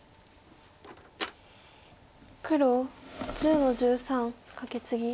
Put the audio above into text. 黒１０の十三カケツギ。